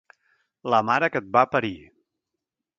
La mare que et va parir!